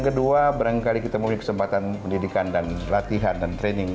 kedua barangkali kita memiliki kesempatan pendidikan dan latihan dan training